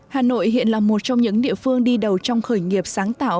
hà nội hiện là một trong những địa phương đi đầu trong khởi nghiệp sáng tạo